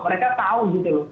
mereka tahu gitu